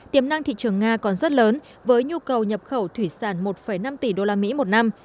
tiềm năng thị trường nga còn rất lớn với nhu cầu nhập khẩu thủy sản một năm tỷ usd một năm